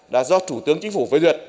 đã do chủ tướng chính phủ